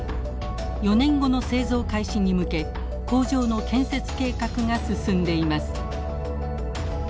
４年後の製造開始に向け工場の建設計画が進んでいます。